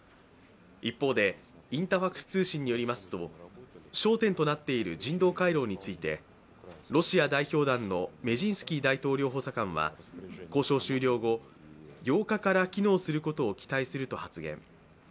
一方でインタファクス通信によりますと焦点となっている人道回廊についてロシア代表団のメジンスキー大統領補佐官は、交渉終了後、８日から機能することを期待すると発言。